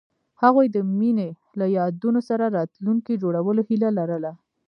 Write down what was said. هغوی د مینه له یادونو سره راتلونکی جوړولو هیله لرله.